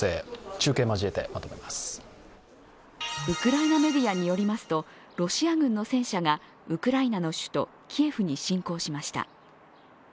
ウクライナメディアによりますと、ロシア軍の戦車がウクライナの首都キエフに侵攻しました。